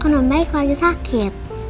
kan om baik lagi sakit